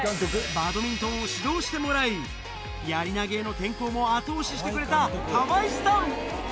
バドミントンを指導してもらい、やり投げへの転向も後押ししてくれた川合さん。